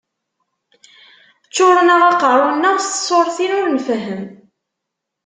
Ččuren-aɣ aqerru-nneɣ s tsurtin ur nfehhem.